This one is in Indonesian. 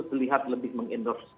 terlihat lebih mengendorse